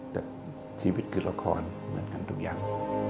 แต่ชีวิตคือละครเหมือนกันทุกอย่าง